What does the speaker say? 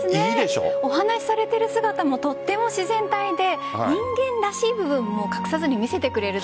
お話されている姿もとても自然体で人間らしい部分も隠さずに見せてくれる。